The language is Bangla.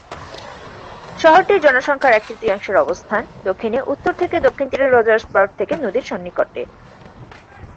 শহরটির জনসংখ্যার এক তৃতীয়াংশের অবস্থান দক্ষিণে উত্তর থেকে দক্ষিণ তীরের রজার্স পার্ক থেকে নদীর সন্নিকটে।